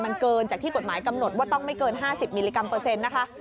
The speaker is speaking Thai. มันเกินจากที่กฎหมายกำหนดว่าต้องไม่เกิน๕๐มิลลิกรัมเปอร์เซ็นต์นะคะ